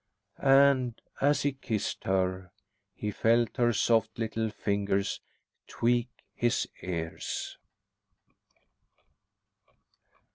And, as he kissed her, he felt her soft little fingers tweak his ears.